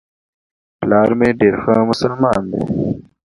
پلار مي ډېر ښه مسلمان دی .